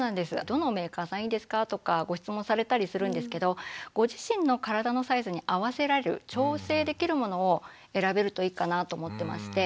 「どのメーカーさんいいですか？」とかご質問されたりするんですけどご自身の体のサイズに合わせられる調整できるものを選べるといいかなと思ってまして。